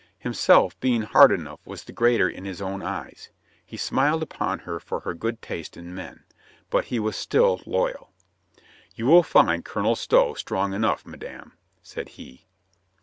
Himself, being hard enough, was the greater in his own eyes. He smiled upon her for her good taste in men. But he was still loyal. "You will find Colonel Stow strong enough, madame," said he.